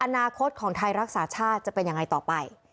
อนาคตของไทยรักษาชาติจะเป็นยังไงต่อไป